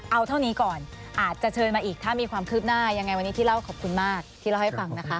เอาเท่านี้ก่อนอาจจะเชิญมาอีกถ้ามีความคืบหน้ายังไงวันนี้ที่เล่าขอบคุณมากที่เล่าให้ฟังนะคะ